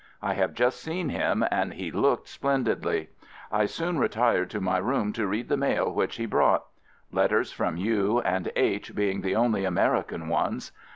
I have just seen him and he looked splendidly. I soon re tired to my room to read the mail which he brought: Letters from you and H being the only American ones.